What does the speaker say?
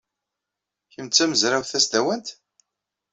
Kemm d tamezrawt tasdawant?